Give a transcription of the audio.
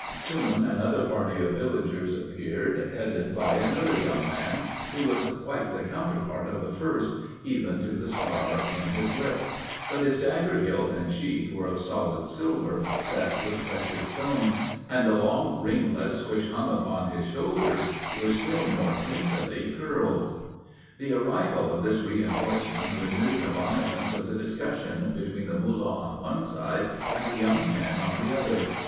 Soon, another party of villagers appeared, headed by another young man, who was quite the counterpart of the first, even to the scar in his lip; but his dagger hilt and sheath were of solid silver, set with precious stones, and the long ringlets which hung upon his shoulders, were still more daintily curled. The arrival of this reinforcement renewed the violence of the discussion, between the Mullah on one side, and the young men on the other.